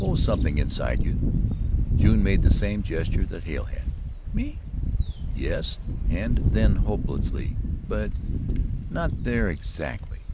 "Oh, something inside of you." June made the same gesture that Hale had. "Me?" "Yes," and then helplessly, "but not there exactly."